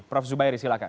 prof zubairi silakan